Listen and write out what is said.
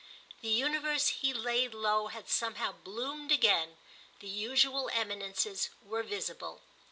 The universe he laid low had somehow bloomed again—the usual eminences were visible.